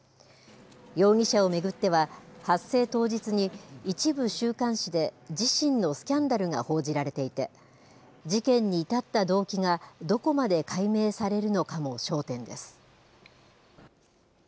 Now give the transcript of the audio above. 容疑者を巡っては、発生当日に一部週刊誌で自身のスキャンダルが報じられていて、事件に至った動機がどこまで解明されるのかも焦点です。